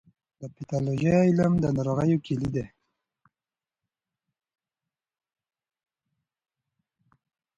د پیتالوژي علم د ناروغیو کلي ده.